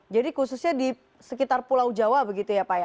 jadi khususnya di sekitar pulau jawa begitu ya pak